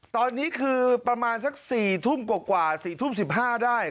ตอนนี้คือประมาณสัก๔ทุ่มกว่า๔ทุ่ม๑๕ได้